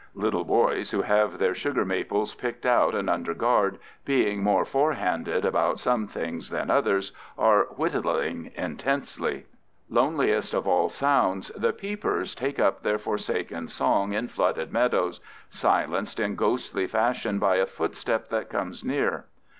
Little boys who have their sugar maples picked out and under guard, being more forehanded about some things than others, are whittling intensely. Loneliest of all sounds, the "peepers" take up their forsaken song in flooded meadows, silenced in ghostly fashion by a footstep that comes near.